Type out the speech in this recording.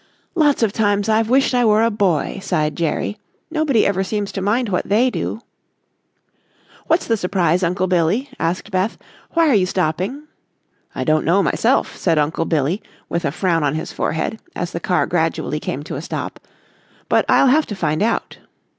"Lots of times I've wished I were a boy," sighed Jerry. "Nobody ever seems to mind what they do." "What's the surprise, Uncle Billy?" asked Beth. "Why are you stopping?" "I don't know myself," said Uncle Billy with a frown on his forehead, as the car gradually came to a stop, "but I'll have to find out."